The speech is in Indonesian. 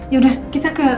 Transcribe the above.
yaudah kita ke